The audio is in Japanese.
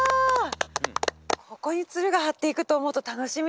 ここにつるがはっていくと思うと楽しみですよね。